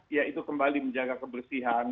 ya itu kembali menjaga kebersihan